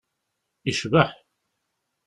Icbeḥ!